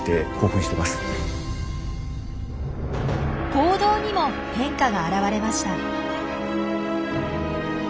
行動にも変化が現れました。